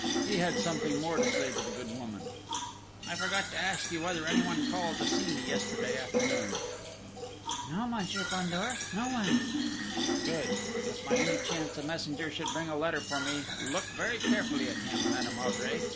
He had something more to say to the good woman: "I forgot to ask you whether anyone called to see me yesterday afternoon!" "No, Monsieur Fandor, no one!" "Good! If by any chance a messenger should bring a letter for me, look very carefully at him, Madame Oudry.